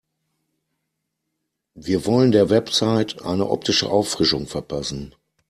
Wir wollen der Website eine optische Auffrischung verpassen.